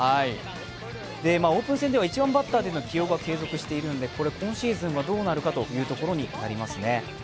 オープン戦では１番バッターの起用は継続しているので今シーズンはどうなるのかというところになりますね。